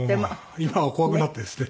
今は怖くなってですね。